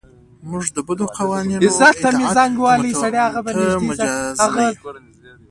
موږ د بدو قوانینو اطاعت ته مجاز نه یو.